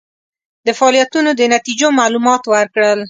د فعالیتونو د نتیجو معلومات ورکړل.